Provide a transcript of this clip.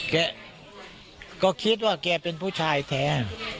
แกก็คิดว่าแกเป็นผู้ชายแท้